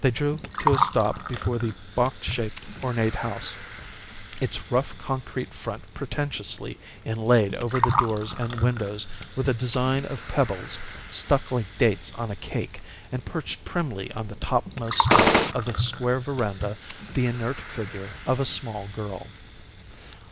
They drew to a stop before the box shaped ornate house, its rough concrete front pretentiously inlaid over the doors and windows with a design of pebbles stuck like dates on a cake, and perched primly on the topmost step of the square veranda the inert figure of a small girl.